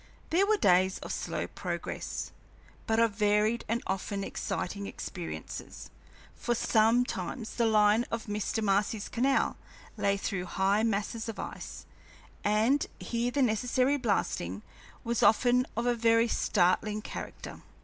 There were days of slow progress, but of varied and often exciting experiences, for sometimes the line of Mr. Marcy's canal lay through high masses of ice, and here the necessary blasting was often of a very startling character.